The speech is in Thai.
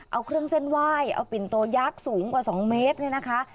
เอาเครื่องเส้นไหว้เอาปิ่นโตยักษ์สูงกว่า๒เมตรเนี่ยนะคะ